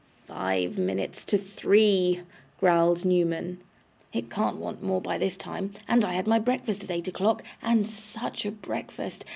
'Five minutes to three,' growled Newman; 'it can't want more by this time; and I had my breakfast at eight o'clock, and SUCH a breakfast!